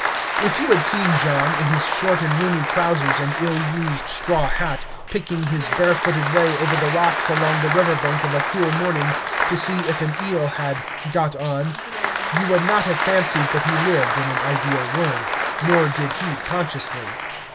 If you had seen John, in his short and roomy trousers and ill used straw hat, picking his barefooted way over the rocks along the river bank of a cool morning to see if an eel had "got on," you would not have fancied that he lived in an ideal world. Nor did he consciously.